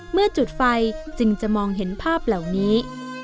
เมื่อจุดไฟจึงจะมองเห็นภาพเหล่านี้